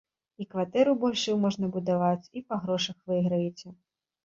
І кватэру большую можна будаваць, і па грошах выйграеце.